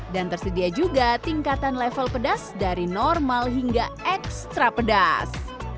dan tersedia juga tingkatan level pedas dari normal hingga ekstra pedas